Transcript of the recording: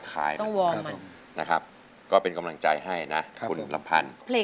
มาแล้ว๖๐๐๐๐มาแล้วต่างเป้า